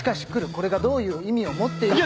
これがどういう意味を持っているか。